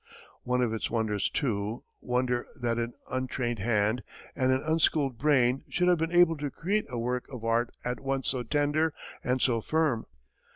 One of its wonders, too wonder that an untrained hand and an unschooled brain should have been able to create a work of art at once so tender and so firm.